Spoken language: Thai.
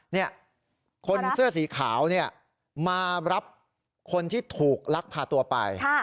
เนี้ยคนเสื้อสีขาวเนี้ยมารับคนที่ถูกรักผ่าตัวไปค่ะ